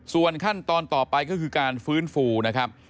ส่วนขั้นตอนต่อไปก็คือการฟื้นฟูนะครับ